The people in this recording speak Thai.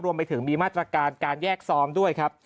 รวมไปถึงมีมาตรการการแยกซ้อมด้วยครับ